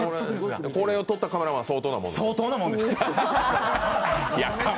これを撮ったカメラマン相当なもんやと。